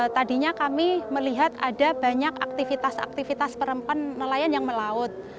tadinya kami melihat ada banyak aktivitas aktivitas perempuan nelayan yang melaut